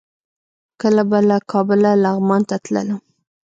کله به له کابله لغمان ته تللم.